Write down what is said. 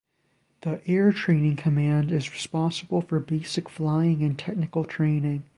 The Air Training Command is responsible for basic flying and technical training.